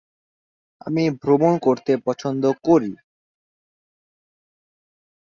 অফিসটি অস্ট্রিয়া সরকার সমর্থন করে।